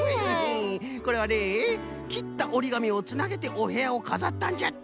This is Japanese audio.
これはねきったおりがみをつなげておへやをかざったんじゃって。